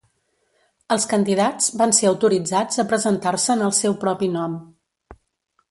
Els candidats van ser autoritzats a presentar-se en el seu propi nom.